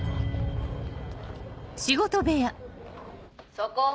そこ！